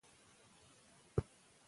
موږ خپلواک خلک یو او په ژبه ویاړو.